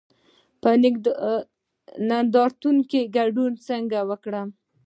په نندارتونونو کې ګډون څنګه وکړم؟